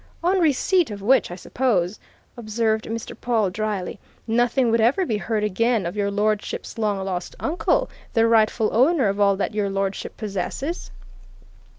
"On receipt of which, I suppose," observed Mr. Pawle dryly, "nothing would ever be heard again of your lordship's long lost uncle, the rightful owner of all that Your Lordship possesses?"